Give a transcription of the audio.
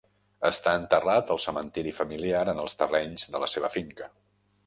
Està enterrat al cementiri familiar en els terrenys de la seva finca.